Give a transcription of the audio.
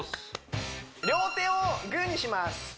両手をグーにします